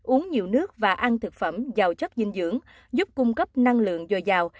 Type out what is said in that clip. uống nhiều nước và ăn thực phẩm giàu chất dinh dưỡng giúp cung cấp năng lượng dồi dào